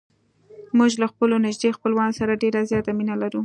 موږ له خپلو نږدې خپلوانو سره ډېره زیاته مینه لرو.